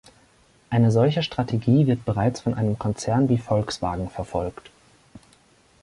Eine solche Strategie wird bereits von einem Konzern wie Volkswagen verfolgt.